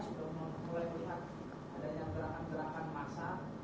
sudah mulai terlihat adanya pergerakan gerakan massa